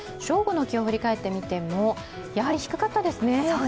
正午の気温を振り返ってみても、やはり低かったですね。